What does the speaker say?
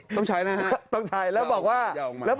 ต้องใช้นะฮะต้องใช้แล้วบอกว่า